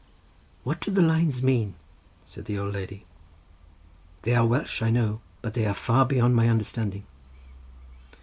"What do the lines mean?" said the old lady; "they are Welsh, I know, but they are far beyond my understanding."